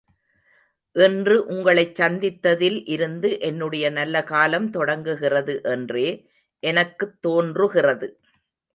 இன்று உங்களைச் சந்தித்ததில் இருந்து என்னுடைய நல்ல காலம் தொடங்குகிறது என்றே எனக்குத் தோன்றுகிறது.